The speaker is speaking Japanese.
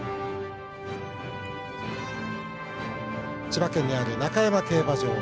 千葉県にある中山競馬場。